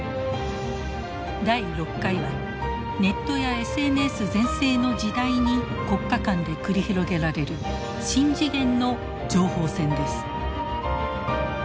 第６回はネットやＳＮＳ全盛の時代に国家間で繰り広げられる新次元の情報戦です。